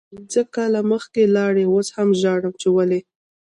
پنځه کاله مخکې لاړی اوس هم ژاړم چی ولې